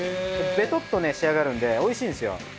ベトッと仕上がるんでおいしいんですよ。